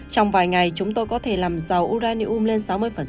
trong vài ngày chúng tôi có thể làm dầu uranium lên sáu mươi